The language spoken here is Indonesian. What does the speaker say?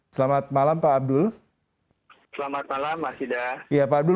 selamat malam pak abdul